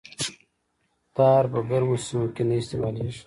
ټار په ګرمو سیمو کې نه استعمالیږي